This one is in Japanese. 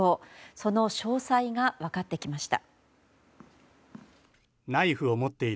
その詳細が分かってきました。